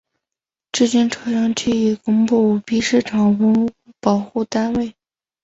至今潮阳区已公布五批市级文物保护单位。